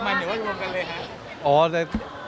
งานนี้พอละนาน